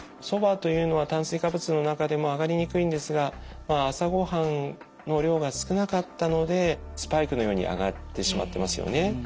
そばというのは炭水化物の中でも上がりにくいんですがまあ朝ご飯の量が少なかったのでスパイクのように上がってしまってますよね。